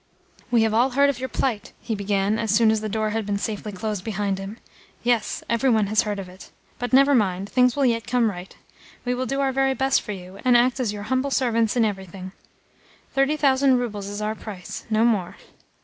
"We have all heard of your plight," he began as soon as the door had been safely closed behind him. "Yes, every one has heard of it. But never mind. Things will yet come right. We will do our very best for you, and act as your humble servants in everything. Thirty thousand roubles is our price no more."